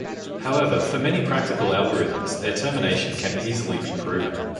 However, for many practical algorithms, their termination can easily be proven.